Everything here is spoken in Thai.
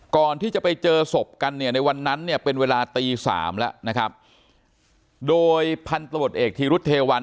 ก่อนที่จะไปเจอศพกันในวันนั้นเป็นเวลาตี๓แล้วโดยพันธุ์ตำรวจเอกธีรุธเทวัน